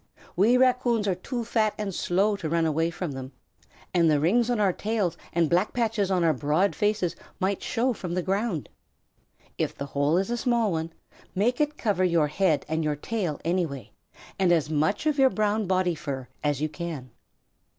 We Raccoons are too fat and slow to run away from them, and the rings on our tails and the black patches on our broad faces might show from the ground. If the hole is a small one, make it cover your head and your tail anyway, and as much of your brown body fur as you can."